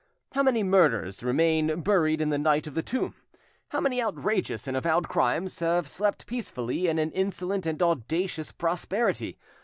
How many murders remain buried in the night of the tomb! how many outrageous and avowed crimes have slept peacefully in an insolent and audacious prosperity!